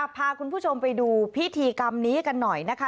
พาคุณผู้ชมไปดูพิธีกรรมนี้กันหน่อยนะคะ